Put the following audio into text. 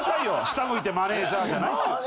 下向いて「マネジャー」じゃないっすよ。